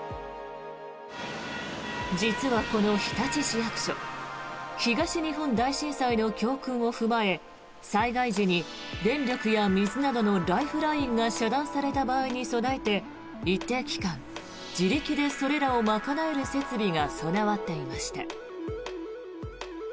実はこの日立市役所東日本大震災の教訓を踏まえ災害時に電力や水などのライフラインが遮断された場合に備えて一定期間、自力でそれらを賄える設備が備わっていました。